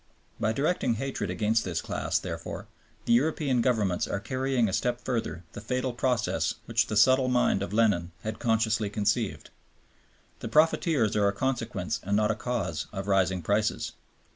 By directing hatred against this class, therefore, the European Governments are carrying a step further the fatal process which the subtle mind of Lenin had consciously conceived. The profiteers are a consequence and not a cause of rising prices.